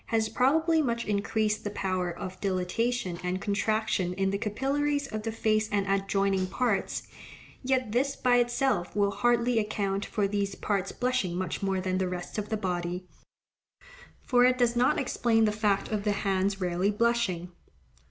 has probably much increased the power of dilatation and contraction in the capillaries of the face and adjoining parts, yet this by itself will hardly account for these parts blushing much more than the rest of the body; for it does not explain the fact of the hands rarely blushing.